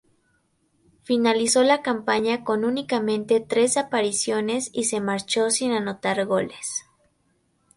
Finalizó la campaña con únicamente tres apariciones y se marchó sin anotar goles.